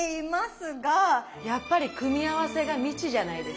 やっぱり組み合わせが未知じゃないですか。